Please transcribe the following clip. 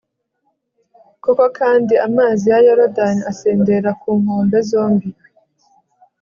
koko kandi amazi ya yorudani asendera ku nkombe zombie